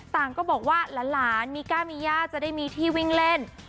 ต่างก็บอกว่าหลานมีกล้ามีย่าจะได้มีที่วิ่งเล่น